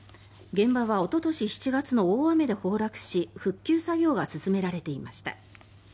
現場はおととし７月の大雨で崩落し復旧作業が進められていました。